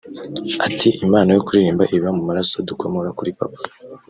Ati “Impano yo kuririmba iba mu maraso dukomora kuri papa